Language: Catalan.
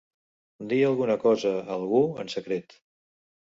Dir alguna cosa a algú en secret.